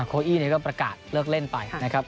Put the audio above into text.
โคอี้ก็ประกาศเลิกเล่นไปนะครับ